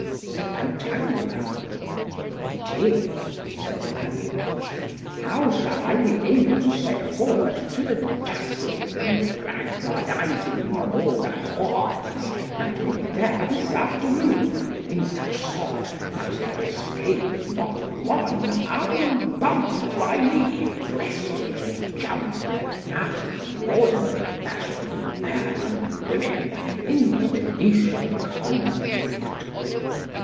said Pantagruel. It is, said Panurge, how I shall be able to set forward to the justling and bragmardizing of all the whores that be there this afternoon, in such sort that there escape not one unbumped by me, breasted and jummed after the ordinary fashion of man and women in the Venetian conflict.